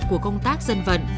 của công tác dân vận